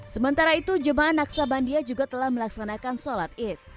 sementara itu jemaah naksabandia juga telah melaksanakan sholat id